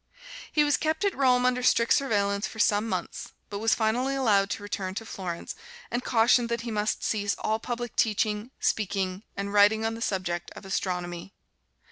He was kept at Rome under strict surveillance for some months, but was finally allowed to return to Florence, and cautioned that he must cease all public teaching, speaking and writing on the subject of astronomy.